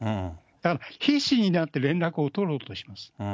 だから必死になって連絡を取ろうとします。